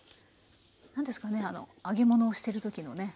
何ですかねあの揚げ物をしてる時のね食欲が。